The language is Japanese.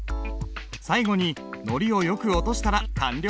最後にのりをよく落としたら完了だ。